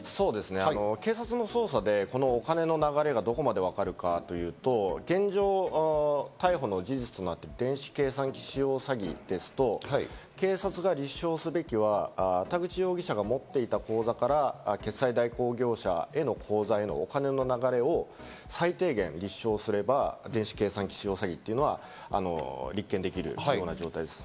警察の捜査でこのお金の流れがどこまでわかるかというと電子計算機使用詐欺ですと、警察が立証すべきは田口容疑者が持っていた口座から、決済代行業者の口座へのお金の流れを最低限立証すれば電子計算機使用詐欺というのは立件できるような状態です。